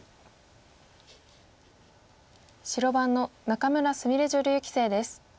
白番の仲邑菫女流棋聖です。